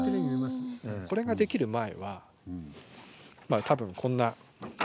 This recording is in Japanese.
これができる前は多分こんな。